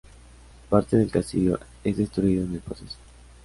Parte del castillo es destruido en el proceso.